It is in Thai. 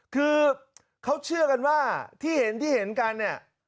คือเขาเชื่อกันว่าที่เห็นกันเนี่ย